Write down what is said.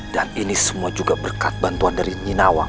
dan ini semua juga berkat bantuan dari nyinawang